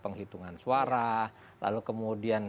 penghitungan suara lalu kemudian